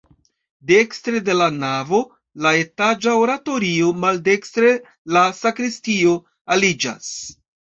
Dekstre de la navo la etaĝa oratorio, maldekstre la sakristio aliĝas.